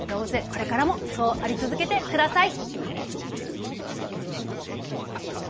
これからもそうあり続けてください。